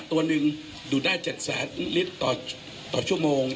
ตัวหนึ่งดูดได้๗แสนลิตรต่อชั่วโมง